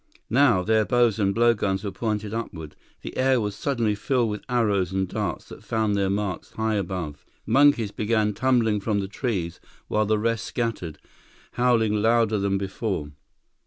Now, their bows and blowguns were pointed upward. The air was suddenly filled with arrows and darts that found their marks high above. Monkeys began tumbling from the trees, while the rest scattered, howling louder than before.